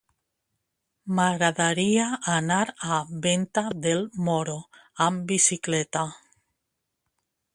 M'agradaria anar a Venta del Moro amb bicicleta.